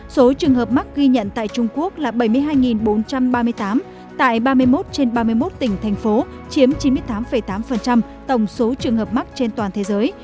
số trường hợp mắc ghi nhận tại trung quốc là bảy mươi hai bốn trăm ba mươi tám tại ba mươi một trên ba mươi một tỉnh thành phố chiếm chín mươi tám tám tổng số trường hợp mắc trên toàn thế giới